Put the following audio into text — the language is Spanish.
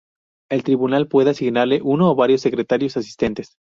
El Tribunal puede asignarle uno o varios secretarios asistentes.